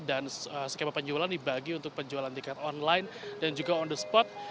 skema penjualan dibagi untuk penjualan tiket online dan juga on the spot